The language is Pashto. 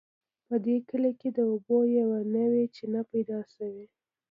په دې کلي کې د اوبو یوه نوې چینه پیدا شوې